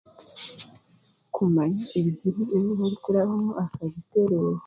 Kumanya ebizibu ebi oroorikurabamu akabitereeza